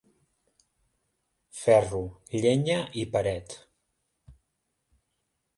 Ferro, llenya i paret.